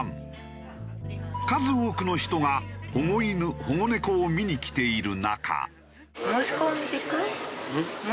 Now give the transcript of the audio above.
数多くの人が保護犬保護猫を見に来ている中。